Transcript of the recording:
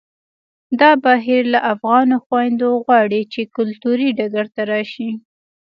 دا بهیر له افغانو خویندو غواړي چې کلتوري ډګر ته راشي